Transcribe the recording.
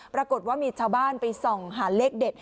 ปรากฏว่ามีชาวบ้านไปส่องหาเลขเด็ด